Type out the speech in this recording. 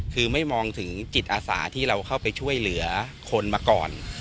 คือไม่มองถึงจิตอาสาที่เราเข้าไปช่วยเหลือคนมาก่อน